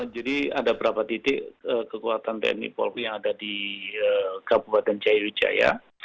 jadi ada beberapa titik kekuatan tni polpi yang ada di kabupaten jaya jaya